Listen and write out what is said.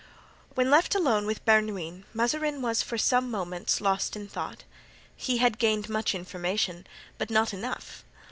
When left alone with Bernouin, Mazarin was for some minutes lost in thought. He had gained much information, but not enough.